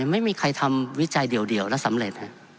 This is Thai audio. ไม่มีใครทำวิจัยเดียวแล้วสำเร็จ